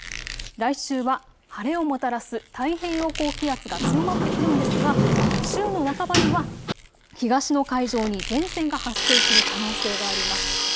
来週は晴れをもたらす太平洋高気圧が強まってくるんですが週の半ばには東の海上に前線が発生する可能性があります。